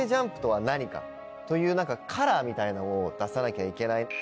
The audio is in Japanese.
というカラーみたいなのを出さなきゃいけない。